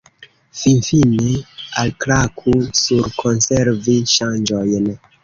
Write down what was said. Finfine, alklaku sur Konservi ŝanĝojn.